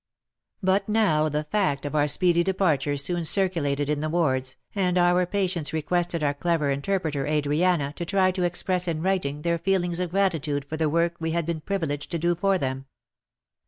But now the fact of our speedy departure soon circulated in the wards, and our patients requested our clever interpreter Adriana to try to express in writing their feelings of grati tude for the work we had been privileged to do for them.